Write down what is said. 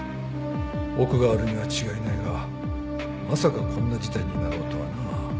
奥があるには違いないがまさかこんな事態になろうとはな。